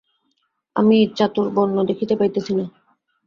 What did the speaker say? আমি চাতুর্বর্ণ্য দেখিতে পাইতেছি না।